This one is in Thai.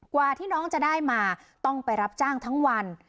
กว่าที่น้องจะได้มาต้องไปรับจ้างทั้งวัน